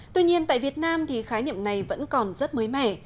tuy nhiên tại việt nam thì khái niệm này vẫn còn rất mới mẻ